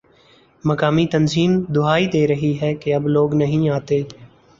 مقامی تنظیم دہائی دے رہی ہے کہ اب لوگ نہیں آتے